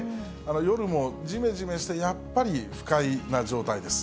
夜もじめじめして、やっぱり不快な状態です。